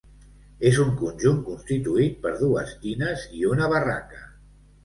És un conjunt constituït per dues tines i una barraca.